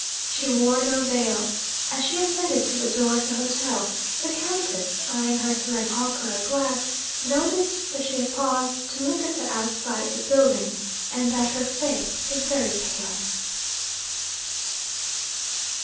She wore no veil. As she ascended to the door of the hotel, the Countess (eyeing her through an opera glass) noticed that she paused to look at the outside of the building, and that her face was very pale.